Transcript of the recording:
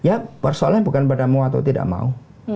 ya persoalannya bukan pada mau atau tidak mau